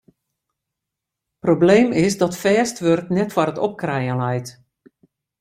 Probleem is dat fêst wurk net foar it opkrijen leit.